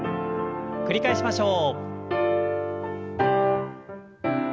繰り返しましょう。